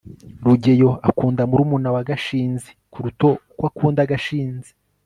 rugeyo akunda murumuna wa gashinzi kuruta uko akunda gashinzi